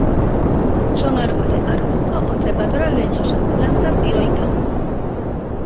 Son árboles, arbustos o trepadoras leñosas; plantas dioicas.